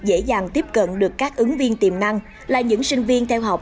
dễ dàng tiếp cận được các ứng viên tiềm năng là những sinh viên theo học